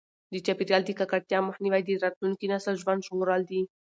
د چاپیریال د ککړتیا مخنیوی د راتلونکي نسل ژوند ژغورل دي.